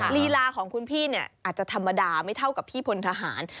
ลีลาของคุณพี่เนี่ยอาจจะธรรมดาไม่เท่ากับพี่พลทหาร